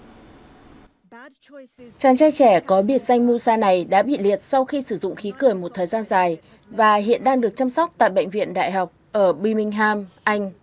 chàng trai trẻ có biệt danh musa này đã bị liệt sau khi sử dụng khí cười một thời gian dài và hiện đang được chăm sóc tại bệnh viện đại học ở bimingham anh